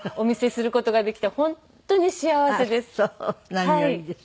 何よりです。